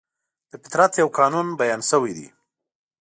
د فطرت یو قانون بیان شوی دی.